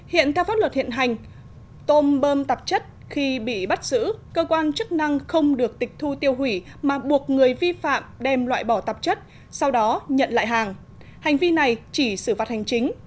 hiện theo pháp luật hiện hành tôm bơm tạp chất khi bị bắt giữ cơ quan chức năng không được tịch thu tiêu hủy mà buộc người vi phạm đem loại bỏ tạp chất sau đó nhận lại hàng hành vi này chỉ xử phạt hành chính